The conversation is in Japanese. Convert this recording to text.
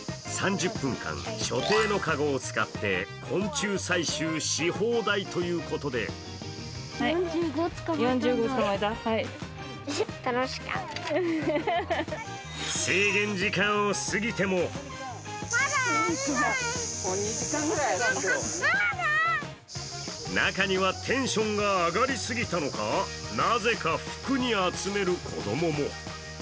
３０分間、所定のかごを使って昆虫採集し放題ということで制限時間を過ぎても中には、テンションが上がりすぎたのか、なぜか服に集める子供も。